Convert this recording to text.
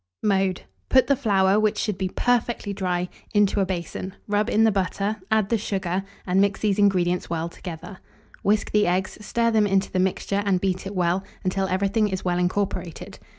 Mode. Put the flour (which should be perfectly dry) into a basin; rub in the butter, add the sugar, and mix these ingredients well together. Whisk the eggs, stir them into the mixture, and beat it well, until everything is well incorporated.